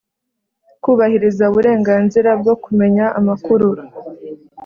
Kubahiriza uburenganzira bwo kumenya amakuru